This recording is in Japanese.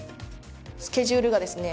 スケジュールがですね